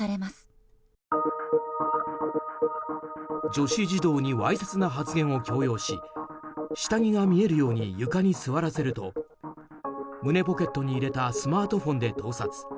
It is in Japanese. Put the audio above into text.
女子児童にわいせつな発言を強要し下着が見えるように床に座らせると胸ポケットに入れたスマートフォンで盗撮。